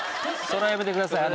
それはやめてください。